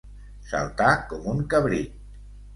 Saltar com un cabrit.